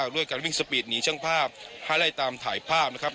ด้วยการวิ่งสปีดหนีช่วงภาพไล่ตามถ่ายภาพ